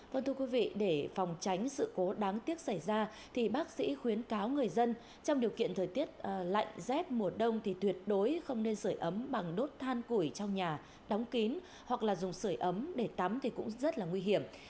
vâng thưa quý vị để phòng tránh sự cố đáng tiếc xảy ra thì bác sĩ khuyến cáo người dân trong điều kiện thời tiết lạnh rét mùa đông thì tuyệt đối không nên sửa ấm bằng đốt than củi trong nhà đóng kín hoặc là dùng sửa ấm để tắm thì cũng rất là nguy hiểm